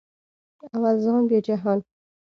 اول ځان بیا جهان